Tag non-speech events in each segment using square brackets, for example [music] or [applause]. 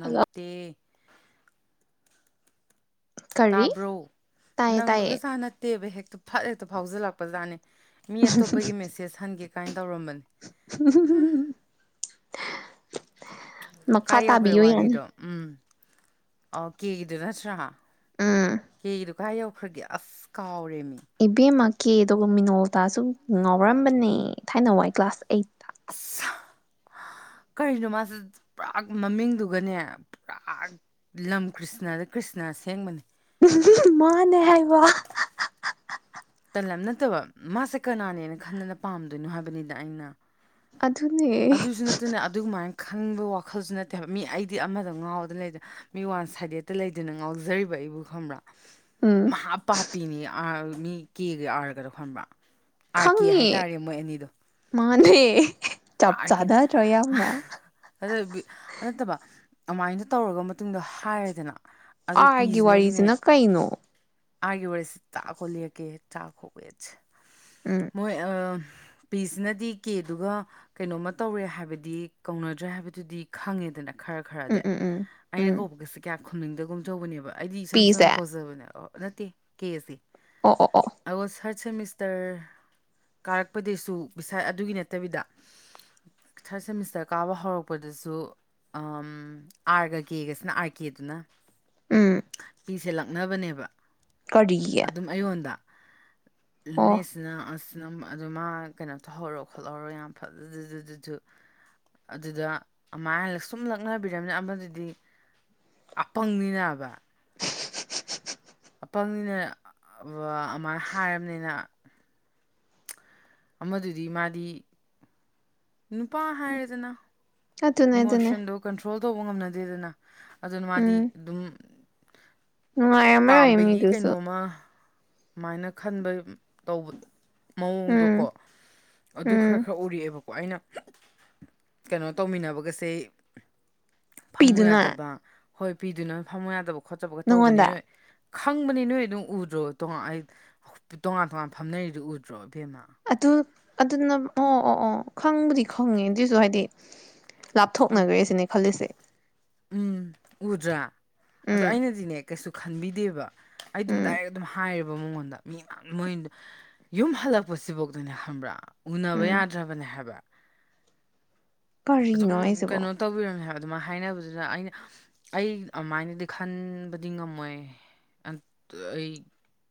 Hello ꯀꯔꯤ ꯇꯥꯕ꯭ꯔꯣ ꯇꯥꯏꯌꯦ ꯇꯥꯏꯌꯦ ꯅꯪꯕꯒ ꯖꯥ ꯅꯠꯇꯦꯕ ꯍꯦꯛ ꯐꯠ ꯍꯦꯛꯇ ꯐꯥꯎꯖꯂꯛꯄ ꯖꯥꯠꯅꯤ꯫ ꯃꯤ ꯑꯇꯣꯞꯄꯒꯤ ꯃꯦꯁꯦꯁ ꯍꯟꯒꯦ ꯀꯥꯏꯅ ꯇꯧꯔꯝꯕꯅꯤ ꯍꯨꯝ꯫ ꯃꯈꯥ ꯀꯥꯏ ꯌꯧꯈ꯭ꯔꯦ ꯇꯥꯕꯤꯌꯨ ꯌꯥꯅꯤ ꯋꯥꯔꯤꯗꯣ ꯎꯝ ꯑꯣ ꯀꯦꯒꯤꯗꯣ ꯅꯠꯇ꯭ꯔꯥ꯫ ꯎꯝ ꯀꯦꯒꯤꯗꯣ ꯀꯥꯏ ꯌꯧꯈ꯭ꯔꯒꯦ ꯑꯁ ꯀꯥꯎꯔꯦ꯫ ꯏꯕꯦꯝꯃꯥ ꯀꯦ ꯗꯣ ꯃꯤꯅꯣꯇꯥꯁꯨ ꯉꯥꯎꯔꯝꯕꯅꯦ ꯊꯥꯏꯅ ꯋꯥꯏ ꯀ꯭ꯂꯥꯁ ꯑꯩꯠ ꯑꯁ ꯀꯔꯤꯅꯣ ꯃꯥꯖꯦ ꯄꯨꯔꯥ ꯃꯃꯤꯡꯗꯨꯒꯅꯦ ꯄꯨꯔꯥ ꯂꯝ ꯀ꯭ꯔꯤꯁꯅꯗ ꯀ꯭ꯔꯤꯁꯅ ꯑꯁꯦꯡꯕꯅꯦ꯫ ꯎꯍꯨꯍꯨ ꯃꯥꯅꯦ ꯍꯥꯏꯩꯕ ꯍ-ꯍ-ꯍ ꯅꯠꯇꯕ ꯃꯥꯁꯦ ꯀꯅꯥꯅꯦꯅ ꯈꯟꯗꯅ ꯄꯥꯝꯗꯣꯏꯅꯣ ꯍꯥꯏꯕꯅꯤꯗ ꯑꯩꯅ꯫ ꯑꯗꯨꯅꯦ ꯑꯗꯨꯁꯨ ꯅꯠꯇꯅ ꯫ [unintelligible] ꯈꯪꯕ ꯋꯥꯈꯜꯁꯨ ꯅꯠꯇꯦ ꯍꯥꯏꯕ ꯃꯤ ꯑꯩꯗꯤ ꯑꯃꯗ ꯉꯥꯎꯗꯅ ꯂꯩꯗ ꯃꯤ ꯋꯥꯟ ꯁꯥꯏꯗꯦꯠꯇ ꯂꯩꯗꯅ ꯉꯥꯎꯖꯔꯤꯕ ꯑꯩꯕꯨ ꯈꯪꯕ꯭ꯔꯥ꯫ ꯎꯝ ꯃꯥꯍꯥ ꯄꯥꯄꯤꯅꯤ ꯑ ꯅꯤ [unintelligible] ꯀꯦꯒ ꯑꯥꯔꯒꯗꯣ ꯈꯝꯕ꯭ꯔ꯫ ꯑꯥꯔ ꯀꯦ ꯈꯪꯉꯦ ꯍꯥꯏꯇꯥꯔꯦ ꯃꯣꯏ ꯑꯅꯤꯗꯣ꯫ ꯃꯥꯅꯦ꯫ ꯄꯨꯔꯥ ꯆꯞ ꯑꯥꯔꯀꯦꯅꯦ ꯆꯥꯅꯗ꯭ꯔꯣ ꯌꯥꯝꯅ ꯑꯗꯨ ꯕꯤ-ꯑꯗꯨ ꯅꯠꯇꯕ꯫ ꯑꯗꯨꯃꯥꯏꯅ ꯇꯧꯔꯒ ꯃꯇꯨꯡꯗ ꯍꯥꯏꯔꯦꯗꯅ꯫ ꯑꯗꯨ ꯑꯥꯔꯒꯤ ꯄꯤꯁꯤꯅꯗꯤꯅꯦ ꯋꯥꯔꯤꯖꯤꯅ ꯀꯩꯅꯣ꯫ ꯑꯥꯔꯒꯤ ꯋꯥꯔꯤꯁꯦ ꯇꯥꯛꯈꯣ ꯂꯦꯛꯀꯦ ꯇꯥꯛꯈꯣ ꯋꯦꯠ꯫ ꯎꯝ ꯃꯣꯏ ꯑ ꯄꯤꯁꯤꯅꯗꯤ ꯀꯦꯗꯨꯒ꯫ ꯀꯩꯅꯣꯝꯃ ꯇꯧꯔꯦ ꯍꯥꯏꯕꯗꯤ ꯀꯧꯅꯗ꯭ꯔꯦ ꯍꯥꯏꯕꯗꯨꯗꯤ ꯈꯪꯉꯦꯗꯅ꯫ ꯈꯔ ꯎꯝ ꯈꯔꯗꯤ ꯎꯝ ꯎꯝ ꯑꯩꯅ ꯎꯝ ꯀꯧꯕꯒꯁꯦ ꯀꯌꯥ ꯈꯨꯝꯅꯤꯡꯗꯒꯨꯝꯇꯧꯕꯅꯦꯕ꯫ ꯑꯩꯗꯤ ꯏꯁꯝ ꯄꯤꯁꯦ ꯆꯝꯅ ꯈꯣꯖꯕꯅꯦ ꯑꯣ ꯅꯠꯇꯦ ꯀꯦ ꯁꯦ꯫ ꯑꯣ-ꯑꯣ-ꯑꯣ꯫ ꯁꯦꯃꯤꯁ꯭ꯇꯔ ꯀꯥꯔꯛꯄꯗꯩꯁꯨ ꯕꯤꯁ [unintelligible] ꯑꯗꯨꯒꯤ ꯅꯠꯇꯕꯤꯗ꯫ ꯊ꯭ꯔꯗ ꯁꯦꯃꯤꯁꯇꯔ ꯀꯥꯕ ꯍꯧꯔꯛꯄꯗꯁꯨ ꯑꯝ ꯑꯥꯔꯒ ꯀꯦꯒꯁꯤꯅ ꯑꯥꯔ ꯀꯦꯗꯨꯅ꯫ ꯎꯝ ꯄꯤꯁꯦ ꯂꯛꯅꯕꯅꯦꯕ꯫ ꯀꯔꯤꯒꯤ ꯑꯗꯨꯝ ꯑꯩꯑꯣꯟꯗ꯫ ꯑꯣ ꯅꯁꯤꯅ ꯑꯁ [unintelligible] ꯑꯗꯨꯝ ꯑꯗꯨ ꯃꯥ ꯀꯩꯅꯣ ꯇꯧꯍꯧꯔꯣ ꯈꯣꯠꯍꯧꯔꯣ ꯌꯥꯝ꯫ ꯑꯗꯨꯗꯨꯗꯨ ꯑꯗꯨꯗ ꯑꯃꯥꯏ ꯁꯨꯝ ꯂꯛꯅꯕꯤꯔꯝꯅꯤꯅ ꯑꯃꯗꯨꯗꯤ ꯑꯄꯪꯅꯤꯅꯕ꯫ ꯑꯄꯪꯅꯤꯅ ꯕ-ꯑꯃꯥꯏꯅ ꯍꯥꯏꯔꯝꯅꯤꯅ꯫ ꯑꯃꯗꯨꯗꯤ ꯃꯥꯗꯤ꯫ ꯅꯨꯄꯥ ꯍꯥꯏꯔꯦꯗꯅ꯫ ꯑꯗꯨꯅꯦ ꯑꯗꯨꯅꯦ ꯏꯃꯣꯁꯟꯗꯨ ꯀꯟꯇ꯭ꯔꯣꯜ ꯇꯧꯕ ꯉꯝꯅꯗꯦꯗꯅ꯫ ꯑꯗꯨꯅ ꯃꯥꯗꯤ ꯑꯗꯨꯝ꯫ ꯅꯨꯉꯥꯏ ꯔꯝꯃꯔꯣꯏ ꯃꯤꯗꯨꯁꯨ꯫ ꯁꯨꯃꯥꯏꯅ ꯈꯟꯕ ꯇꯧ ꯃꯑꯣꯡꯗꯣꯀꯣ ꯎꯝ ꯑꯗꯨ ꯈꯔ ꯎꯝ ꯈꯔ ꯎꯔꯛꯑꯦꯕꯣ ꯑꯩꯅ ꯀꯩꯅꯣ ꯇꯧꯃꯤꯟꯅꯕ ꯄꯒꯁꯤ ꯐꯝꯃꯨ ꯄꯤꯗꯨꯅ ꯌꯥꯗꯕ ꯍꯣꯏ ꯄꯤꯗꯨꯣꯏ ꯅꯣꯏ ꯐꯝꯃꯣ ꯌꯥꯗꯕꯣ [unintelligible] ꯈꯣꯠꯆꯕꯒ ꯅꯪꯉꯣꯟꯗ ꯇꯧꯕꯅꯤꯅ [unintelligible] ꯈꯪꯕꯅꯤ ꯅꯣꯏ ꯑꯗꯨꯝ ꯎꯗ꯭ꯔꯣ ꯇꯣꯉꯥꯟ ꯑꯩ ꯇꯣꯉꯥꯟ ꯇꯣꯉꯥꯟ ꯐꯝꯅꯔꯤꯗꯨ ꯎꯗ꯭ꯔꯣꯕ ꯑꯗꯨ ꯑꯗꯨꯅ ꯑꯣ ꯑꯣ ꯑꯣ ꯈꯪꯕꯨꯗꯤ ꯈꯪꯉꯦ ꯑꯗꯨꯏꯁꯨ ꯍꯥꯏꯗꯤ ꯂꯥꯞꯊꯣꯛꯅꯈ꯭ꯔꯦ ꯁꯤꯅꯦ ꯈꯜꯂꯤꯁꯦ ꯎꯝ ꯎꯗ꯭ꯔꯥ ꯑꯗꯣ ꯎꯝ ꯑꯩꯅꯗꯤꯅꯦ ꯀꯩꯁꯨ ꯈꯟꯕꯤꯗꯦꯕ ꯑꯩ ꯑꯗꯨꯝ ꯎꯝ ꯗꯥꯏꯔꯦꯠ ꯑꯗꯨꯝ ꯍꯥꯏꯌꯦꯕ ꯃꯉꯣꯟꯗ ꯃꯤ ꯃꯣꯏ ꯌꯨꯝ ꯍꯜꯂꯛꯄꯁꯤꯐꯧꯗꯅꯦ ꯈꯕ꯭ꯔꯥ ꯎꯅꯕ ꯎꯝ ꯌꯥꯗ꯭ꯔꯕꯅꯦ ꯍꯥꯏꯕ ꯑꯗꯨꯝ ꯀꯔꯤꯅꯣ ꯍꯥꯏꯁꯤꯕꯣ ꯀꯩꯅꯣ ꯇꯧꯕꯤꯔꯣꯅꯦ ꯍꯥꯏꯕ ꯑꯗꯨꯃꯥꯏꯅ ꯍꯥꯏꯅꯕꯗꯨꯗ ꯑꯩꯅ ꯑꯩ ꯑꯗꯨꯃꯥꯏꯅꯗꯤ ꯈꯟꯕꯗꯤ ꯉꯝꯃꯣꯏ ꯑꯩ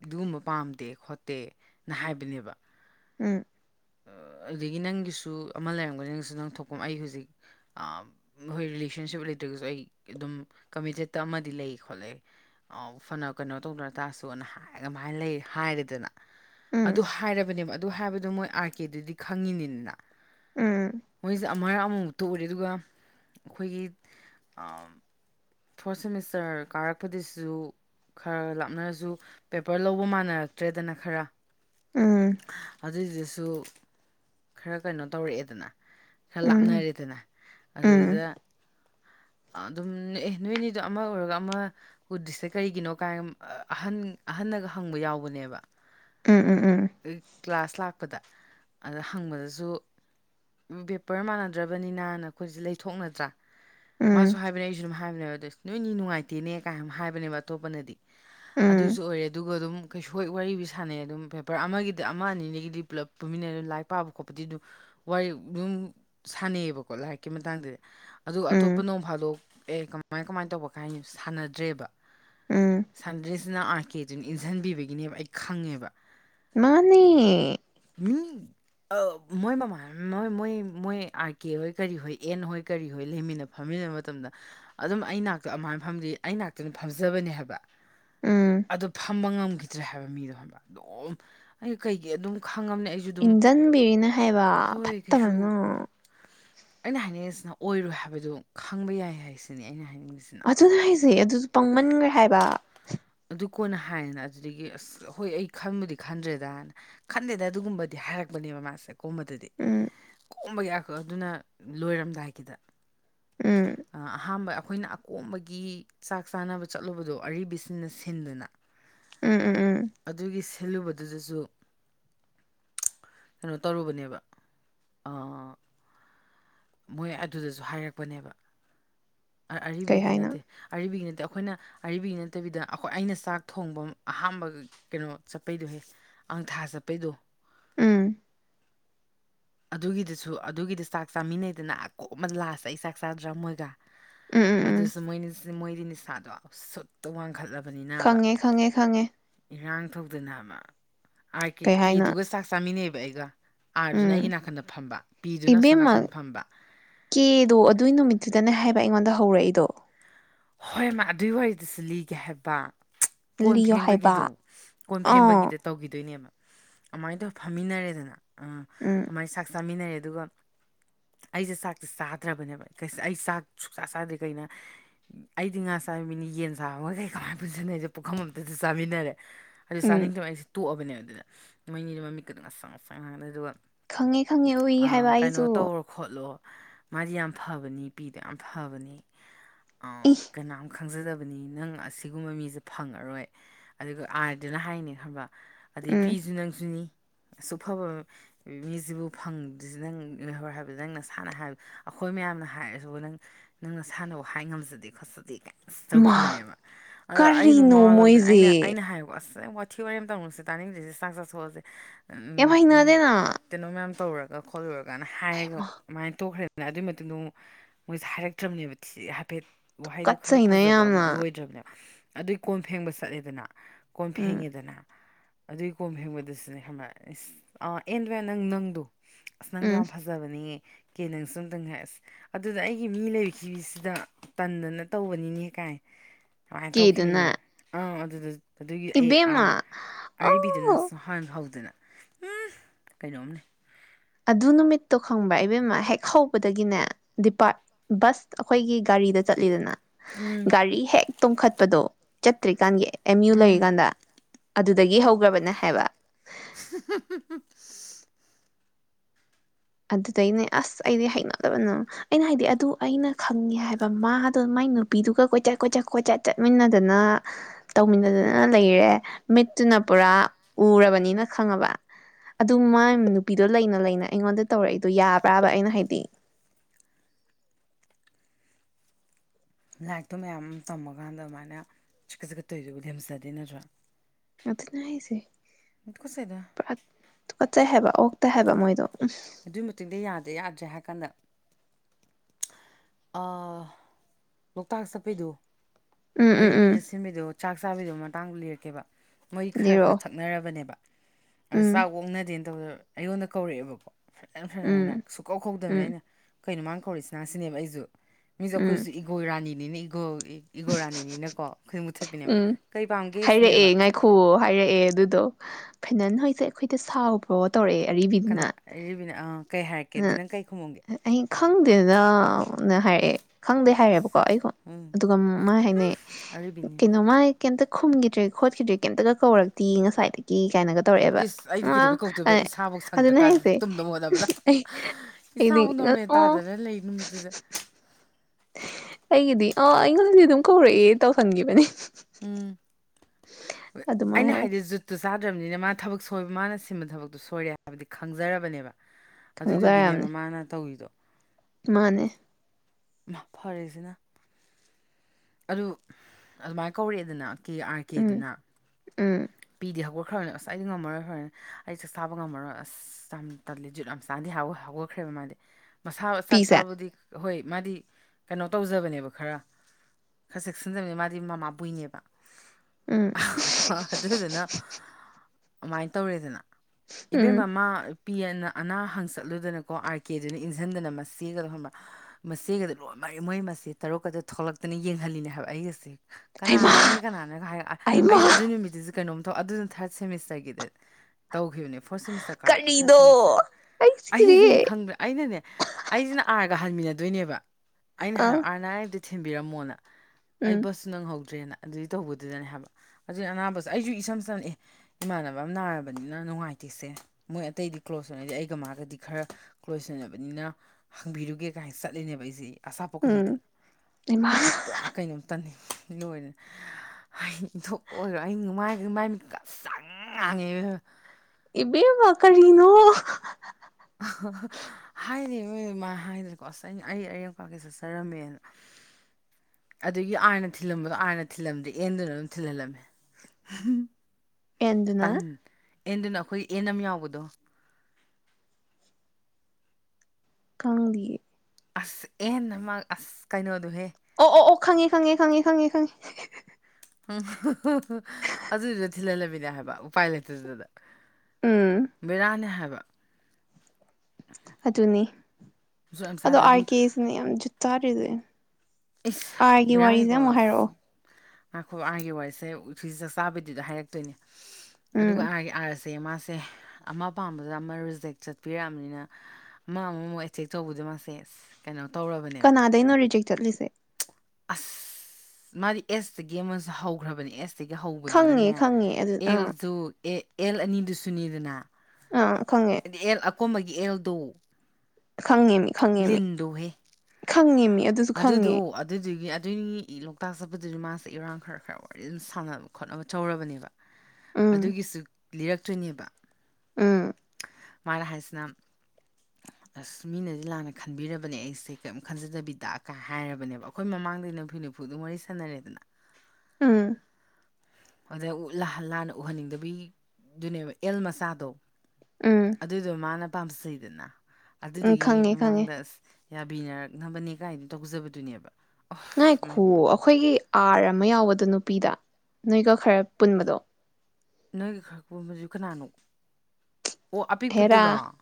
ꯑꯗꯨꯒꯨꯝꯕ ꯄꯥꯝꯗꯦ ꯈꯣꯠꯇꯦꯅ ꯍꯥꯏꯕꯅꯦꯕ ꯎꯝ ꯑꯗꯨꯗꯒꯤ ꯅꯪꯒꯤꯁꯨ ꯑꯃ ꯂꯩꯔꯝꯒ ꯅꯁꯨ ꯅꯪ ꯊꯣꯛꯐꯝ ꯑꯩ ꯍꯧꯖꯤꯛ ꯍꯣꯏ ꯔꯤꯂꯦꯁꯟꯁꯤꯞ ꯂꯩꯇ꯭ꯔꯒꯁꯨ ꯑꯩ ꯑꯗꯨꯝ ꯀꯃꯤꯇꯦꯠꯇ ꯑꯃꯗꯤ ꯂꯩ ꯈꯣꯠꯂꯦ ꯐꯅ ꯀꯩꯅꯣ ꯇꯧꯗꯅ ꯇꯥꯔꯁꯨꯅ ꯍꯥꯏ ꯀꯃꯥꯏꯅ ꯂꯩ ꯍꯥꯏꯔꯦꯗꯅ ꯎꯝ ꯑꯗꯨ ꯍꯥꯏꯔꯕꯅꯦꯕ ꯑꯗꯨ ꯍꯥꯏꯕꯗꯨ ꯃꯣꯏ ꯀꯦꯗꯨꯗꯤ ꯈꯪꯉꯤꯅꯤꯅ ꯎꯝ ꯍꯣꯏꯁ ꯑꯃꯔꯛ ꯑꯃꯃꯨꯛ ꯇꫭꯛꯎꯔꯦ ꯑꯗꯨꯒ ꯑꯩꯈꯣꯏꯒꯤ ꯐꯣꯔꯠ ꯁꯦꯃꯤꯁꯇꯔ ꯀꯥꯔꯛꯄꯗꯁꯨ ꯈꯔ ꯂꯥꯞꯅꯔ ꯎꯝ ꯑꯗꯨ ꯁꯨ ꯈꯔ ꯀꯩꯅꯣ ꯇꯧꯔꯛꯑꯦꯗꯅ ꯈꯔ ꯎꯝ ꯎꯝ ꯂꯥꯞꯅꯔꯦꯗꯅ ꯎꯝ ꯑꯗꯨꯗꯨꯗ ꯑꯗꯨꯝ ꯑꯦ ꯅꯣꯏꯅꯤꯗꯣ ꯑꯃ ꯑꯣꯏꯔꯒ ꯑꯃ ꯎꯨꯗ꯭ꯔꯤꯁꯤꯗ ꯀꯔꯤꯒꯤꯅꯣ ꯀꯥꯏꯅ ꯑꯍꯟ ꯑꯍꯟꯅꯒ ꯍꯪꯕ ꯌꯥꯎꯕꯅꯦꯕ ꯎꯝ ꯎꯝ ꯀ꯭ꯂꯥꯁ ꯂꯥꯛ ꯑꯗ ꯍꯪꯕꯗꯁꯨ ꯕꯦꯄꯔ ꯃꯥꯟꯅꯗ꯭ꯔꯕꯅꯤꯅꯅ ꯑꯩꯈꯣꯏꯁꯨ ꯂꯩꯊꯣꯛꯅꯗ꯭ꯔꯥ ꯃꯥꯁꯨ ꯍꯥꯏꯕꯅꯦ ꯑꯩꯁꯨ ꯑꯗꯨꯝ ꯍꯥꯏ ꯑꯗ ꯅꯣꯏ ꯅꯤ ꯅꯨꯡꯉꯥꯏꯇꯦꯅꯦ ꯀꯥꯏꯅ ꯍꯥꯏꯕꯅꯦꯕ ꯑꯇꯣꯞꯄꯅꯗꯤ ꯎꯝ ꯎꯝ ꯑꯗꯨꯁꯨ ꯑꯣꯏꯔꯦ ꯑꯗꯨꯒ ꯑꯗꯨꯝ ꯀꯩꯁꯨ ꯋꯥꯔꯤꯁꯨ ꯁꯥꯟꯅꯩ ꯑꯗꯨꯝ ꯄꯦꯄꯔ ꯑꯃꯒꯤꯗꯤ ꯑꯃ ꯑꯅꯤꯗꯒꯤꯗꯤ ꯄꯨꯂꯞ ꯄꯨꯃꯤꯟꯅꯩ ꯑꯗꯨ ꯂꯥꯏꯔꯤꯛ ꯄꯥꯕ ꯈꯣꯠꯄꯗꯤ ꯑꯗꯨꯝ ꯋꯥꯔꯤ ꯑꯗꯨꯝ ꯁꯥꯟꯅꯩꯌꯦꯕꯀꯣ ꯂꯥꯏꯔꯤꯛꯀꯤ ꯃꯇꯥꯡꯗꯗꯤ ꯑꯗꯨ ꯑꯇꯣꯞ ꯎꯝ ꯍꯂꯣ ꯑꯦ ꯀꯃꯥꯏ ꯀꯃꯥꯏꯅ ꯇꯧꯕ ꯀꯥꯏꯅ ꯁꯥꯟꯅꯗ꯭ꯔꯦꯕ ꯎꯝ ꯁꯟꯗ꯭ꯔꯤꯁ ꯁꯤꯅ ꯑꯥꯔ ꯀꯦꯗꯨꯅ ꯏꯟꯖꯤꯟꯕꯤꯕꯒꯤꯅꯦꯕ ꯑꯩ ꯈꯪꯉꯦꯕ ꯃꯥꯅꯦ꯫ ꯃꯤ ꯑꯥ ꯃꯣꯏ ꯃꯣꯏ ꯃꯣꯏ ꯑꯥꯔ ꯀꯦ ꯍꯣꯏ ꯀꯔꯤ ꯍꯣꯏ ꯑꯦꯟ ꯍꯣꯏ ꯀꯔꯤ ꯍꯣꯏ ꯂꯩꯃꯤꯟꯅꯕ ꯐꯝꯃꯤꯟꯅꯕ ꯃꯇꯝꯗ ꯑꯗꯨꯝ ꯑꯩ ꯅꯥꯛꯇ ꯑꯗꯨꯃꯥꯏꯅ ꯐꯝꯗꯤ ꯑꯩ ꯅꯥꯛꯇ ꯑꯗꯨꯝ ꯐꯝꯖꯕꯅꯦ ꯍꯥꯏꯕ ꯎꯝ ꯑꯗꯨ ꯐꯝꯕ ꯉꯝ ꯈꯤꯗ꯭ꯔꯦ ꯍꯥꯏꯕ ꯃꯤꯗꯣ ꯍꯥꯏꯕ ꯑꯗꯨꯝ ꯑꯩ ꯀꯩꯒꯤ ꯑꯗꯨꯝ ꯈꯪꯉꯕꯅꯦ ꯑꯩꯁꯨ ꯑꯗꯨꯝ ꯏꯟꯖꯟꯕꯤꯔꯤꯅꯦ ꯍꯥꯏꯕ ꯍꯣꯏ ꯀꯩꯁꯨ ꯐꯠꯇꯕꯅ ꯑꯩꯅ ꯍꯥꯏꯅꯤꯡꯉꯤꯁꯤꯅ ꯑꯣꯏꯔꯣꯏ ꯍꯥꯏꯕꯗꯨ ꯈꯪꯕ ꯌꯥꯏ ꯍꯥꯏꯁꯤꯅꯤ ꯑꯩꯅ ꯍꯥꯏꯅꯤꯡ ꯑꯗꯨꯗꫭ ꯍꯥꯁ ꯑꯗꯨꯁꯨ ꯄꯥꯡꯃꯟꯒ꯭ꯔꯦ ꯍꯥꯏꯕ꯫ ꯑꯗꯨ ꯀꯣꯟꯅ ꯍꯥꯏꯌꯦꯅ ꯑꯗꯨꯗꯒꯤ ꯑꯁ ꯍꯣꯏ ꯑꯩ ꯈꯟꯕꯨꯗꯤ ꯈꯟꯗ꯭ꯔꯦꯗꯅ ꯈꯟꯗꯦꯗ ꯑꯗꯨꯒꯨꯝꯕꯗꯤ ꯍꯥꯏꯔꯛꯄꯅꯦꯕ ꯃꯥꯁꯦ ꯑꯗꯨꯝꯕꯗꯗꯤ ꯎꯝ ꯀꯣꯝꯕꯒꯤ ꯑꯗꯨꯅ ꯂꯣꯏꯔꯝꯗꯥꯏꯒꯤꯗ ꯎꯝ ꯑꯥ ꯑꯍꯥꯟꯕ ꯑꯩꯈꯣꯏꯅ ꯑꯀꯣꯝꯕꯒꯤ ꯆꯥꯛ ꯆꯥꯅꯕ ꯆꯠꯂꯨꯕꯗꯣ ꯑꯔꯤꯕꯁꯤꯁ ꯅ ꯁꯤꯟꯗꯨꯅ ꯎꯝ ꯎꯝ ꯎꯝ ꯑꯗꯨꯒꯤ ꯊꯤꯜꯂꯨꯕꯗꯨꯗꯁꯨ ꯀꯩꯅꯣ ꯇꯧꯔꯨꯕꯅꯦꯕ ꯑꯥ ꯃꯣꯏ ꯑꯗꯨꯗꯁꯨ ꯍꯥꯏꯔꯛꯄꯅꯦꯕ ꯀꯩ ꯑꯔꯤꯕꯗꯤ ꯍꯥꯏꯅꯣ ꯅꯠꯇꯦ ꯑꯔꯤꯕꯒꯤ ꯅꯠ ꯑꯗ ꯑꯩꯈꯣꯏꯅ ꯑꯔꯤꯕꯒꯤ ꯅꯠꯇꯕꯤꯗ ꯑꯩꯈꯣꯏ ꯑꯩꯅ ꯆꯥꯛ ꯊꯣꯡꯕ ꯑꯍꯥꯝꯕ ꯀꯩꯅꯣ ꯆꯠꯄꯩꯗꯣꯍꯦ ꯑꯪ ꯊꯥ ꯆꯠꯄꯩꯗꯣ꯫ ꯎꯝ꯫ ꯑꯗꯨꯒꯤꯗꯨꯁꯨ ꯑꯗꯨꯒꯤꯗꯨ ꯆꯥꯛ ꯆꯥꯃꯤꯟꯅꯩꯗꯅ ꯑꯀꯣꯝꯕ ꯂꯥꯁꯇ ꯑꯩ ꯆꯥꯛ ꯆꯥꯗ꯭ꯔꯥ ꯃꯣꯏꯒ ꯎꯝ ꯎꯝ ꯎꯝ ꯑꯗꯨꯁꯨ ꯃꯣꯏꯅ ꯃꯣꯏꯗꯤ ꯅꯤꯁꯥꯗꯣ ꯁꯨꯠꯇ ꯋꯥꯡꯈꯠꯂꯕ ꯈꯪꯉꯦ ꯈꯪꯉꯦ ꯈꯪꯉꯦ꯫ ꯇꯧꯗꯅ ꯑꯃ ꯀꯩ ꯍꯥꯏꯅꯣ ꯀꯦꯗꯨꯒ ꯆꯥꯛ ꯆꯃꯤꯅꯩꯌꯦ ꯕꯩꯒ ꯑꯗꯨꯅ ꯑꯩꯒꯤ ꯎꯝ ꯅꯥꯀꯟꯗ ꯐꯝꯕ ꯄꯤꯗꯨꯅ ꯑꯁꯣꯝ ꯏꯕꯦꯝꯃ ꯅꯥꯀꯟ ꯐꯝꯕ ꯇꯅꯦ ꯍꯥꯏꯕ ꯑꯩꯉꯣꯟꯗ ꯍꯧꯔꯛꯏꯗꯣ ꯍꯣꯏꯃꯥ ꯑꯗꯨꯏ ꯋꯥꯔꯤꯗꯨꯁꯨ ꯂꯤꯒꯦ ꯍꯥꯏꯕ꯫ ꯀꯣꯟ ꯂꯤꯌꯣ ꯐꯦꯡꯕꯒꯤꯗꯣ ꯍꯥꯏꯕ ꯀꯣꯟ ꯑꯥ ꯐꯦꯡꯕꯒꯤꯗꯨ ꯇꯧꯒꯤꯗꯣꯏꯅꯦꯕ ꯑꯗꯨꯃꯥꯏꯅ ꯇꯧ ꯐꯝꯃꯤꯟꯅꯔꯦꯗꯅ ꯎꯝ ꯑ ꯃ ꯆꯥꯃꯤꯟꯅꯔꯦ ꯑꯗꯨꯒ ꯑꯩꯁꯦ ꯆꯥꯛꯁꯦ ꯆꯥꯗ꯭ꯔꯕꯅꯦꯕ ꯑꯩ ꯆꯥꯛ ꯁꯨ ꯆꯥ ꯆꯥꯗ꯭ꯔꯤ ꯀꯩꯅ ꯑꯩꯗꯤ ꯉꯥ ꯆꯥꯕ ꯃꯤꯅꯤ ꯌꯦꯟ ꯁꯥꯕꯒꯈꯩ ꯀꯃꯥꯏꯅ ꯄꯨꯟꯁꯤꯟꯅꯔꯤꯁꯦ ꯄꯨꯈꯝ ꯑꯝꯇꯁꯨ ꯆꯥꯃꯤꯟꯅꯔꯦ ꯑꯗꯨ ꯎꯝ ꯆꯥꯅꯤꯡꯗꯕ ꯑꯩꯁꯦ ꯇꯣꯛꯑꯕꯅꯦꯕ ꯃꯅꯤ ꯃꯃꯤ ꯀ ꯑꯗꯨ ꯉꯁꯥꯡ ꯉꯁꯥꯡ [unintelligible] ꯈꯪꯉꯦ ꯈꯪꯉꯦ ꯎꯏ ꯍꯥꯏꯕ ꯑꯩꯁꯨ ꯇꯧꯔꯣ ꯈꯣꯠꯂꯣ ꯃꯥꯗꯤ ꯌꯥꯝ ꯐꯕꯅꯤ ꯄꯤꯗ ꯌꯥꯝ ꯐꯕꯅꯤ ꯏ ꯑꯥꯎ ꯌꯥꯝ ꯈꯪꯖꯗꯕꯅꯤ ꯅꯪ ꯑꯁꯤꯒꯨꯝꯕ ꯃꯤꯁꯦ ꯐꯪꯉꯔꯣꯏ ꯑꯗꯨꯒ ꯑꯥꯗꯨꯅ ꯍꯥꯏꯅꯦ ꯈꯕ ꯑꯗꯩ ꯎꯝ ꯄꯤꯁꯨ ꯅꯪꯁꯨꯅꯤ ꯑꯁꯨꯛꯐꯕ ꯃꯤꯁꯤꯕꯨ ꯐꯪꯗ꯭ꯔꯤꯁꯤ ꯅꯪ ꯅꯔꯣꯏ ꯍꯥꯏꯕ ꯅꯪꯅ ꯁꯥꯟꯅ ꯍꯥꯏ ꯑꯩꯈꯣꯏ ꯃꯌꯥꯝꯅ ꯍꯥꯏꯔꯁꯨ ꯅꯪ ꯅꯪꯅ ꯁꯥꯟꯅꯕ ꯍꯥꯏ ꯉꯝꯖꯗꯦ ꯈꯠ ꯊ [unintelligible] ꯑꯁ ꯃꯥ ꯇꯧꯈꯤꯕꯅꯦꯕ ꯑꯗ ꯑꯩꯅ ꯀꯔꯤꯅꯣ ꯃꯋꯥ ꯂꯧꯗꯅ ꯑꯩꯅ ꯃꯣꯏꯁꯦ ꯑꯩꯅ ꯍꯥꯏ ꯑꯁ ꯊꯤ ꯋꯥꯔꯤꯝ ꯇꯧꯅꯨꯘꯁꯤ ꯇꯥꯅꯤꯡꯗꯁꯦ ꯆꯥꯛ ꯆꯥꯛꯊꫭꯛꯑꫭ ꯁꯦ ꯑꯦ ꯍꯩꯏꯅꯗꯅ ꯇꯧꯔꯒ ꯈꯣꯠꯂꯨꯔ ꯑꯗꯨꯖꯥꯅ ꯍꯥꯏꯔꯒ ꯑꯗꯨꯃꯥꯏꯅ ꯇꯣꯛꯈ꯭ꯔꯦ ꯑꯗꯨ ꯑꯗꯨꯒꯤ ꯃꯇꯨꯡꯗ ꯑꯃꯨꯛ ꯃꯣꯏꯁꯦ ꯍꯥꯏꯔꯛꯇ꯭ꯔꯕꯅꯦꯕ ꯍꯥꯏꯐꯦꯠ ꯈꯔ ꯀꯠꯆꯩꯅ ꯐꯖꯕ ꯑꯃ ꯌꯥꯝꯅ ꯑꯣꯏꯗ꯭ꯔꯕꯅꯦꯕ ꯑꯗꯨꯏ ꯀꯣꯟ ꯐꯦꯡꯕ ꯆꯠꯂꯦꯗꯅ ꯀꯣꯝ ꯎꯝ ꯐꯦꯡꯉꯤꯗꯅ ꯑꯗꯨꯏ ꯀꯣꯝ ꯐꯦꯡꯕꯗꯁꯨꯅꯦ ꯑꯥ ꯑꯦꯟꯗꯦ ꯅꯪ ꯅꯪꯗꯣ ꯑꯁ ꯅꯪꯒ ꯎꯝ ꯌꯥꯝ ꯐꯖꯕꯅꯦꯌꯦ ꯀꯦ ꯅꯪꯁꯨ ꯑꯝꯇꯪ ꯍꯥꯏꯁ ꯑꯗꯨꯗ ꯑꯩꯒꯤ ꯃꯤ ꯂꯩꯕꯤꯈꯤꯕꯁꯤꯗ ꯇꯟꯗꯅ ꯇꯧꯕꯅꯤꯅꯦ ꯀꯥꯏ ꯀꯃꯥꯏꯅ ꯇꯧꯈꯤꯕꯅꯦꯕ ꯀꯦꯗꯨꯅ ꯑꯥ ꯑꯗꯨ ꯑꯗꯨꯒꯤ ꯑꯩ ꯏꯕꯦꯝꯃ ꯑꯔꯤꯕꯗꯨꯅ ꯑꯣ ꯍꯥꯟ ꯍꯧꯎꯗꯅ ꯎꯝ ꯀꯩꯅꯣꯝꯅꯦ ꯑꯗꯨ ꯅꯨꯃꯤꯠꯇꯣ ꯈꯪꯕ꯭ꯔꯥ ꯏꯕꯦꯝꯃ ꯍꯦꯛ ꯍꯧꯕꯗꯒꯤꯅꯦ ꯗꯤꯄꯥ ꯕꯁ ꯑꯩꯈꯣꯏꯒꯤ ꯒꯥꯔꯤꯗ ꯆꯠꯂꯤꯗꯅ ꯎꯝ ꯒꯥꯔꯤ ꯍꯦꯛ ꯇꯨꯝꯈꯠꯄꯗꯣ ꯆꯠꯇ꯭ꯔꯤꯀꯥꯟꯒꯤ ꯑꯦꯝ ꯌꯨ ꯎꯝ ꯂꯩꯔꯤꯀꯥꯟꯗ ꯑꯗꯨꯗꯒꯤ ꯍꯧꯈ꯭ꯔꯕꯅ ꯍꯥꯏꯕ [unintelligible] ꯑꯗꯨꯗꯩꯅꯦ ꯑꯁ ꯑꯩꯗꯤ ꯍꯩꯅꯗꯕꯅ ꯑꯩꯅ ꯍꯥꯏꯗꯤ ꯑꯗꯨ ꯑꯩꯅ ꯈꯪꯉꯦ ꯍꯥꯏꯕ ꯃꯥꯗꯣ ꯃꯥꯏ ꯅꯨꯄꯤꯗꯨꯒ ꯀꯣꯏꯆꯠ ꯀꯣꯏꯆꯠ ꯀꯣꯏꯆꯠ ꯆꯠꯃꯤꯟꯅꯗꯅ ꯇꯧꯃꯤꯟꯅꯗꯅ ꯂꯩꯔꯦ ꯃꯤꯠꯇꯨꯅ ꯄꯨꯔꯥ ꯎꯔꯕꯅꯤꯅ ꯈꯪꯉꯕ ꯑꯗꯣ ꯃꯥꯏ ꯅꯨꯄꯤꯗꯣ ꯂꯩꯅ ꯂꯩꯅ ꯑꯩꯉꯣꯟꯗ ꯇꯧꯔꯛꯏꯗꯣ ꯌꯥꯕ꯭ꯔꯥꯕ ꯑꯩꯅ ꯍꯥꯏꯗꯤ ꯂꯥꯏꯔꯤꯛꯇꯣ ꯃꯌꯥꯝ ꯑꯃ ꯇꯝꯃꯀꯥꯟꯗ ꯑꯗꯨꯃꯥꯏꯅ ꯆꯀꯠ ꯆꯀꯠ ꯇꯣꯏꯗꯕꯨ ꯂꯦꯝꯖꯗꯦ ꯅꯠꯇ꯭ꯔꯥ ꯑꯗꯨꯅ ꯍꯥꯏꯁꯦ ꯇꯨꯀꯠꯆꯩꯗ ꯄꯨꯔꯥ ꯇꯨꯀꯠꯆꯩ ꯍꯥꯏꯕ ꯑꯣꯛꯇꯦ ꯍꯥꯏꯕ ꯃꯣꯏꯗꯣ ꯎ ꯑꯗꯨꯒꯤ ꯃꯇꯨꯡꯗꯤ ꯌꯥꯗ꯭ꯔꯦ ꯌꯥꯗ꯭ꯔꯦ ꯍꯥꯏꯔ ꯀꯥꯟꯗ ꯑ ꯂꯣꯛꯇꯥꯛ ꯆꯠꯄꯩꯗꯨ ꯎꯝ ꯎꯝ ꯎꯝ ꯑꯔꯤꯕꯤꯅ ꯁꯤꯟꯕꯤꯗꯣ ꯆꯥꯛ ꯆꯥꯕꯤꯗꯨ ꯃꯇꯥꯡꯗ ꯂꯤꯔꯛꯀꯦꯕ ꯃꯣꯏ ꯈꯔ ꯂꯤꯔꯛꯑꯣ ꯈꯔ ꯊꯛꯅꯔꯕꯅꯦꯕ ꯑ ꯎꯝ ꯆꯥꯛ ꯑꫭꯛꯅꯗꯦꯅ ꯑꯩꯉꯣꯟꯗ ꯀꯧꯔꯛꯑꯦꯕꯀꯣ ꯐ꯭ꯔꯦꯟ ꯐ꯭ꯔꯦꯟ ꯎꯝ ꯑꯩꯅ ꯁꯨꯛꯀꯧ ꯀꯧꯗꯕꯅꯤ ꯎꯝ ꯑꯩꯅ ꯀꯩꯅꯣ ꯃꯥꯡ ꯀꯧꯔꯤꯁꯤꯅ ꯁꯤꯅꯦꯕꯁꯦ ꯃꯤꯖꯣ ꯎꯝ ꯈꯣꯏꯁꯨ ꯏꯒꯣꯏ ꯔꯅꯤ ꯅꯤꯅ ꯏꯒꫭ ꯏꯒꯣꯔꯥꯅꯤꯅꯤꯅꯀꯣ ꯎꯝ ꯍꯥꯏꯔꯛꯑꯦ ꯉꯥꯏꯈꯣ ꯍꯥꯏꯔꯛꯑꯦ ꯑꯗꯨꯗꯣ ꯐꯦꯅꯟ ꯍꯣꯏꯁꯦ ꯑꯩꯈꯣꯏꯗ ꯁꯥꯎꯕꯔꯣ ꯇꯧꯔꯛꯑꯦ ꯑꯔꯤꯕꯗꯨꯅ ꯀꯅꯥ ꯑꯔꯤꯕꯤꯅ ꯑꯥ ꯀꯩ ꯍꯥꯏꯔꯛꯀꯦ ꯑꯗꯨ ꯅꯪ ꯀꯩ ꯈꯨꯝꯃꯝꯒꯦ ꯑꯩ ꯈꯪꯗꯦꯅꯅ ꯍꯥꯏꯔꯛꯑꯦ ꯈꯪꯗꯦ ꯍꯥꯏꯔꯦꯕꯀꯣ ꯑꯩ ꯎꯝ ꯑꯗꯨꯒ ꯃꯥ ꯍꯥꯏꯅꯩ ꯑꯔꯤꯕꯤꯅꯤ ꯀꯩꯅꯣ ꯃꯥ ꯀꯩꯝꯇ ꯈꯨꯝꯈꯤꯗ꯭ꯔꯦ ꯈꯣꯠꯈꯤꯗ꯭ꯔꯦ ꯀꯩꯝꯇꯒ ꯀꯧꯔꯛꯇꯦ ꯉꯁꯥꯏꯗꯒꯤ ꯀꯥꯏꯅꯒ ꯇꯧꯔꯛꯑꯦꯕ ꯏꯁ ꯑꯩꯗꯤ ꯀꯩꯗꯣꯕꯩ ꯑ ꯀꯧꯗꯣꯏꯕ ꯏꯁꯥꯐꯧ ꯑꯗꯨꯅ ꯁꯪꯗ꯭ꯔꯀꯥꯟꯗ ꯍꯥꯏꯁꯦ ꯇꯨꯝꯅꯕ ꯍꯣꯠꯅꯕꯗ ꯑꯩ ꯑꯩꯗꯤ ꯏꯁꯥꯕꯨ ꯅꯣꯔꯃꯦꯜ ꯑꯣ ꯇꯥꯗꯅ ꯂꯩ ꯅꯨꯃꯤꯠꯇꯨꯗ ꯑꯩꯒꯤꯗꯤ ꯑꯥ ꯑꯩꯉꯣꯟꯗꯗꯤ ꯑꯗꯨꯝ ꯀꯧꯔꯛꯑꯦ ꯇꯧꯁꯟꯈꯤꯕꯅꯤ ꯎꯝ ꯑꯗꯨꯃꯥꯏꯅ ꯑꯩꯅꯤ ꯍꯥꯏꯔꯛꯈꯤ ꯍꯥꯏꯗꯤꯁꯨꯨ ꯖꯨꯠ ꯆꯥ ꯅꯠꯇ꯭ꯔꯕꯅꯤꯅ ꯃꯥ ꯊꯕꯛ ꯁꯣꯏꯕ ꯃꯥꯅ ꯁꯤꯟꯕ ꯊꯕꯛꯇꯨ ꯁꯣꯏꯔꯦ ꯍꯥꯏꯕꯗꯤ ꯈꯪꯖꯔꯕꯅꯦꯕ ꯑꯗꯨꯗꯨꯒꯤꯅꯦꯕ ꯈꯪꯖꯔꯝꯅꯦ ꯃꯥꯅ ꯇꯧꯔꯤꯗꯣ ꯃꯥꯅꯦ ꯐꯔꯦꯁꯤꯅ ꯑꯗꯨ ꯑꯗꯨꯃꯥꯏꯅ ꯀꯧꯔꯑꯦꯗꯅ ꯀꯦ ꯎꯝ ꯑꯥꯔꯀꯦꯗꯨꯅ ꯎꯝ ꯗꯤ ꯍꯧꯒꯠꯈ꯭ꯔꯕꯅꯤꯅꯦ ꯑꯁ ꯑꯩꯗꯤ ꯉꯝꯃꯔꯣꯏ ꯑꯩ ꯆꯥꯛ ꯆꯥꯕ ꯉꯝꯃꯔꯣꯏ ꯑꯁ ꯌꯥꯝ ꯇꯜꯂꯤ ꯖꯨꯠ ꯌꯥꯝ ꯆꯥꯗꯤ ꯍꯧꯒꯠꯈ꯭ꯔꯦꯕ ꯃꯗꯤ ꯃꯁꯥ ꯆꯥꯛ ꯄꯤꯁꯦ ꯆꯥꯕꯗꯤ ꯍꯣꯏ ꯃꯥꯗꯤ ꯀꯩꯅꯣ ꯇꯧꯖꯕꯅꯦꯕ ꯈꯔ ꯈꯔ ꯆꯦꯛꯁꯤꯟꯖꯕꯅꯦ ꯃꯥꯗꯤ ꯃꯃꯥꯕꯨꯏꯅꯦꯕ ꯎꯝ ꯑꯗꯨꯅ ꯑꯗꯨꯃꯥꯏꯅ ꯇꯧꯔꯦꯗꯅ ꯎꯝ ꯏꯕꯦꯝꯃ ꯃꯥ ꯄꯤ ꯑꯅ ꯑꯅꯥ ꯍꯪꯆꯠꯂꯨꯗꯅꯀꯣ ꯑꯥꯔ ꯀꯦꯗꯨꯅ ꯏꯟꯁꯤꯟꯗꯅ ꯃꯆꯦꯒꯗ ꯃꯆꯦꯒꯗ ꯂꯣꯏ ꯃ ꯃꯣꯏ ꯃꯆꯦ ꯇꯔꯨꯛꯀꯗ ꯊꯣꯛꯂꯛꯇꯅ ꯌꯦꯡꯍꯜꯂꯤꯅꯦ ꯍꯥꯏꯕ ꯑꯩꯒꯁꯦ ꯍꯩꯃꯥ ꯀꯅꯥꯅꯣꯅꯦ ꯀꯅꯥꯅꯣꯒ ꯍꯥꯏꯔ ꯍꯩꯃꯥ ꯑꯩꯁ ꯑꯗꯨꯏ ꯅꯨꯃꯤꯠꯇ ꯀꯩꯅꯣꯝ ꯑꯗꯨꯅ ꯊꯥꯔꯠ ꯁꯦꯃꯤꯁꯇꯔꯒꯤꯗ ꯇꯧꯈꯤꯕꯅꯦ ꯐꫭꯔꯠ ꯁꯦꯃꯤꯁꯇꯔ ꯀꯥꯔꯛꯄ ꯊꯥꯔꯠ ꯀꯔꯤꯅꯣ ꯁꯦꯃꯤꯁꯇꯔꯗ ꯑꯩ ꯑꯩꯁꯤꯅꯦ ꯁꯤꯔꯦ ꯈꯪꯕꯔꯥ ꯑꯩꯅꯅꯦ ꯑꯩꯁꯤꯅ ꯑꯥꯔꯒ ꯍꯟꯃꯤꯟꯅꯗꯦ ꯅꯤꯕ [unintelligible] ꯑꯩꯅꯅ ꯍꯥꯏꯕ ꯑꯥ ꯑꯥꯔꯅ ꯊꯦꯝꯕꯤꯔꯝꯃꯣꯅ ꯑꯩ ꯎꯝ ꯕꯁꯁꯨ ꯅꯪꯍꯧꯗ꯭ꯔꯦꯅ ꯑꯗꯨꯏ ꯇꯧꯕꯗꯨꯗꯅꯦ ꯍꯥꯏꯕ ꯑꯗꯨ ꯑꯅꯥꯕ ꯑꯩꯁꯨ ꯏꯁꯝ ꯁꯝ ꯑꯦ ꯏꯃꯥꯟꯅꯕ ꯑꯃ ꯅꯥꯔꯕꯅꯤꯅ ꯅꯨꯡꯉꯥꯏꯇꯦꯁꯦ ꯃꯣꯏ ꯑꯇꯩꯗꯤ ꯀ꯭ꯂꯣꯁ ꯑꯣꯏꯅꯗꯤ ꯑꯩꯒ ꯃꯥꯒꯗꯤ ꯈꯔ ꯀ꯭ꯂꯣꯖ ꯑꯣꯏꯅꯕꯅꯤꯅ ꯍꯪꯕꯤꯔꯨꯒꯦ ꯀꯥꯏꯅ ꯆꯠꯂꯤꯅꯦꯕ ꯑꯩꯁꯦ ꯑꯆꯥꯄꯣꯛꯀ ꯂꯩꯇꯅ ꯎꯝ ꯏꯃꯥ ꯃꯥ ꯄꯨꯔꯥ ꯀꯩꯅꯣꯝ ꯇꯟꯅꯤ ꯅꯣꯏꯅ ꯑꯩ ꯅꫭꯛꯑꫭꯏꯕ ꯑꯩ ꯃꯥꯏ ꯃꯥꯏ ꯉꯁꯪ ꯉꯥꯡꯉꯦ ꯏꯕꯦꯝꯃ ꯏꯕꯦꯝꯃꯥ ꯀꯔꯤꯅꯣ ꯍꯥꯏꯔꯤ ꯃꯣꯏ ꯃꯥ ꯍꯥꯏꯗꯅꯦꯀꯣ ꯑꯁ ꯑ ꯑꯩ ꯑꯔꯦꯝ ꯕꯩꯀꯩ ꯆꯠꯆꯔꯝꯃꯦꯅ ꯑꯗꯨꯒꯤ ꯑꯥꯥꯏꯅ ꯊꯤꯜꯂꯝꯕꯗꯣ ꯑꯥꯏꯅ ꯊꯤꯜꯂꯝꯗꯦ ꯑꯦꯟꯗꯨꯅ ꯑꯗꯨꯝ ꯊꯤꯜꯍꯜꯂꯝꯃꯦ ꯑꯦꯟꯗꯨꯅ ꯇꯟ ꯑꯦꯟꯗꯨꯅ ꯑꯩꯈꯣꯏꯒꯤ ꯑꯦꯟ ꯑꯃ ꯌꯥꯎꯕꯗꯣ ꯈꯪꯗꯤꯌꯦ ꯑꯁ ꯑꯦꯟ ꯅꯃ ꯑꯁ ꯀꯩꯅꯣꯗꯨꯍꯦ ꯑꯣ ꯑꯣ ꯑꯣ ꯈꯪꯉꯦ ꯈꯪꯉꯦ ꯈꯪꯉꯦ ꯈꯪꯉꯦ ꯈꯪꯉꯦ ꯎ ꯑꯗꯨꯏꯗꯨꯗ ꯊꯤꯜꯍꯜꯂꯃꯤꯅꯦ ꯍꯥꯏꯕ ꯎꯄꯥꯏ ꯂꯩꯇꯗꯨꯗꯗ ꯎꯝ ꯕꯤꯔꯅꯤ ꯍꯥꯏꯕ [unintelligible] ꯑꯗꯨꯅꯤ ꯃꯆꯣꯠ ꯌꯥꯝ ꯑꯗꯣ ꯆꯥꯗꯦ ꯑꯔ ꯑꯗꯨ ꯀꯦꯁꯤꯅꯤ ꯌꯥꯝ ꯖꯨꯠꯆꯗꯔꯤꯗꯦ ꯏꯁ ꯕꯦꯔꯅꯤ ꯀꫭ ꯍꯥꯏꯔꯛꯑꯣ ꯉꯥꯏꯈꯣꯕ ꯑꯥꯔꯒꯤ ꯋꯥꯔꯤꯁꯦ ꯍꯨꯊꯤ ꯆꯥꯛ ꯆꯥꯕꯩꯗꯨꯗ ꯍꯥꯏꯔꯛꯇꯣꯏꯅꯦ ꯑꯗꯨꯒ ꯎꯝ ꯑꯥ ꯑꯥꯔꯁ ꯁꯦ ꯃꯥꯁꯦ ꯑꯃ ꯄꯥꯝꯕꯗꯨꯗ ꯑꯃ ꯔꯤꯖꯦꯛ ꯆꯠꯄꯤꯔꯛꯑꯕꯅꯤꯅ ꯑꯃ ꯑꯃꯃꯨꯛ ꯑꯦꯆꯦꯛ ꯇꯧꯕꯗ ꯃꯥꯁꯦ ꯀꯩꯅꯣ ꯇꯧꯔꯕꯅꯦꯕ ꯀꯅꯥꯗꯩꯅꯣ ꯔꯤꯖꯦꯛ ꯆꯠꯂꯤꯁꯦ ꯑꯁ ꯃꯥꯗꯤ ꯑꯦꯁꯇꯒꯤ ꯑꯃꯁꯨ ꯍꯧꯈ꯭ꯔꯕꯅꯦ ꯑꯦꯁ ꯁꯤꯒꯤ ꯈꯪꯉꯦ ꯍꯧꯕꯗꯨꯅꯅꯦ ꯈꯪꯉꯦ ꯑꯗꯨ ꯑꯥ ꯑꯦꯜꯁꯨ ꯑꯦꯜ ꯑꯅꯤꯗꯨꯁꯨꯅꯤꯗꯅ ꯑꯥ ꯈꯪꯉꯦ ꯑꯦꯜ ꯑꯀꯣꯝꯕꯒꯤ ꯑꯦꯜꯗꫭ ꯈꯪꯉꯦꯃꯤ ꯈꯪꯉꯤꯃꯤ ꯈꯪꯉꯤꯃꯤ ꯑꯗꯨꯗꯣ ꯑꯗꯨꯗꯨꯒꯤ ꯑꯗꯨꯅꯤ ꯂꯣꯛꯇꯥꯛ ꯆꯠꯄꯗꯨꯗꯤ ꯃꯥꯁꯦ ꯏꯔꯥꯡ ꯈꯔ ꯈꯔ ꯋꯥꯔꯤ ꯑꯗꯨꯝ ꯁꯥꯟꯅꯕ ꯈꯣꯠꯅꯕ ꯇꯧꯔꯕꯅꯦꯕ ꯎꯝ ꯑꯗꯨꯒꯤꯁꯨ [unintelligible] ꯂꯤꯔꯛꯇ꯭ꯔꯤꯅꯦꯕ ꯎꯝ ꯃꯥꯅ ꯍꯥꯏꯁꯤꯅ ꯑꯁ ꯃꯤꯅꯗꯤ ꯂꯥꯟꯅ ꯈꯟꯕꯤꯔꯕꯅꯦ ꯑꯩꯁꯦ ꯀꯔꯤꯝ ꯈꯟꯖꯗꯕꯤꯗ ꯀ ꯍꯥꯏꯔꯕꯅꯦꯕ ꯑꯩꯈꯣꯏ ꯃꯃꯥꯡꯗꯒꯤ ꯅꯤꯟꯐꯨꯡ ꯅꯤꯟꯐꯨꯡ ꯑꯗꯨꯝ ꯋꯥꯔꯤ ꯁꯅꯔꯦꯗꯅ ꯎꯝ ꯑꯗꯩꯩ ꯂꯥꯟꯅ ꯎꯍꯜꯅꯤꯡꯗꯕꯤ ꯗꯨꯅꯦꯕꯥ ꯑ‌ꯦꯜ ꯃꯆꯥꯗ‌ꯣ ꯎꯝ ꯑꯗꯨꯗ‌ꯣ ꯃꯥꯅ ꯄꯝꯖꯩꯗꯅ ꯎꯝ ꯑꯗꯨꯗꯨꯒꯤ ꯈꯪꯉꯦ ꯈꯪꯉꯦ ꯃꯃꯥꯡꯗ ꯑꯁ ꯄꯕꯤꯅꯔꯛꯅꯕꯅꯤ ꯀꯥꯏ ꯇꯧꯖꯕꯗꯨꯅꯦꯕ ꯑꯣꯐ ꯃꯥꯏ ꯉꯥꯏꯈꯣ ꯑꯩꯈꯣꯏꯒꯤ ꯑꯥꯔ ꯑꯃ ꯌꯥꯎꯕꯗꯨꯅ ꯅꯨꯄꯤꯗ ꯅꯣꯏꯒ ꯈꯔ ꯄꯨꯟꯕꯗꯣ ꯅꯣꯢꯒ ꯈꯔ ꯄꯨꯟꯕꯁꯦ ꯀꯅꯥꯅꯣ ꯑꯣ ꯍꯦꯔꯥ ꯑꯄꯤꯛꯄꯗꯨꯔꯣ ꯑꯣ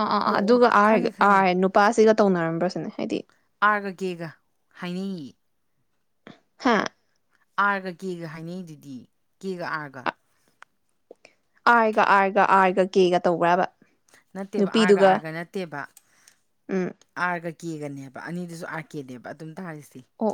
ꯑ ꯑꯥ ꯑ ꯑꯣ ꯑꯗꯨꯒꯥ ꯑꯥꯔ ꯈꯪꯉꯦ ꯑꯥꯔ ꯅꯨꯄꯥꯁꯤꯒ ꯇꯧꯅꯔꯝꯕ꯭ꯔ ꯁꯤꯅꯦ ꯍꯥꯏꯗꯤ ꯑꯥꫪꯒ ꯀꯦꯒ ꯍꯥꯏꯅꯩꯌꯦ ꯍꯥꯥ ꯑꯥꯔꯒ ꯀꯦꯒ ꯍꯥꯏꯅꯩꯗꯨꯗꯤ ꯀꯦꯒ ꯑꯥꯔꯒ ꯑꯥꯏꯒ ꯑꯥꯏꯒ ꯑꯥꯏꯒ ꯀꯦꯒ ꯇꯧꯕ꯭ꯔꯕ ꯅꯠꯇꯦꯕ ꯑꯥꯔꯒ ꯅꯨꯄꯤꯗꯨꯒ ꯑꯥꯔꯒ ꯅꯠꯇꯦꯕ ꯎꯝ ꯑꯥꯔꯒ ꯀꯦꯒꯅꯦꯕ ꯑꯅꯤꯗꯨꯁꯨ ꯑꯥꯔ ꯀꯦꯅꯦꯕ ꯑꯗꯨꯝ ꯇꯥꯁꯤ ꯑꯣ ꯑꯣ